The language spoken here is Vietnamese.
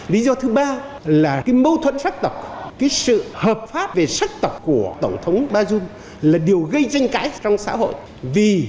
lý do thứ ba là mâu thuẫn sắc tộc sự hợp pháp về sắc tộc của tổng thống bajun là điều gây tranh cãi trong xã hội